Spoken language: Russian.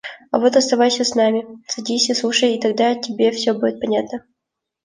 А вот оставайся с нами! Садись и слушай, и тогда тебе все будет понятно.